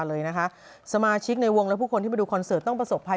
เลยนะคะสมาชิกในวงและผู้คนที่มาดูคอนเสิร์ตต้องประสบภัย